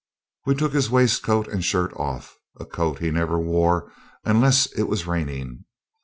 We took his waistcoat and shirt off a coat he never wore unless it was raining.